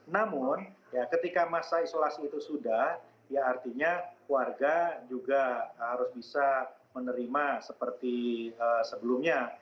namun ketika masa isolasi itu sudah ya artinya warga juga harus bisa menerima seperti sebelumnya